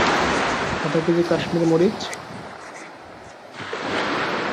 আধা কেজি কাশ্মীরি মরিচ?